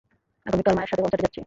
আগামীকাল মায়ের সাথে কনসার্টে যাচ্ছি।